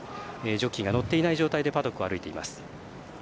ジョッキーが乗っていない状態でパドックを歩いています。